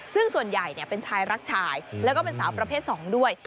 ซึ่งส่วนใหญ่เป็นชายรักชายแล้วก็เป็นสาวประเภท๒ด้วย